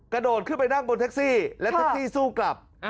กระโดดขึ้นไปนั่งบนแท็กซี่และแท็กซี่สู้กลับ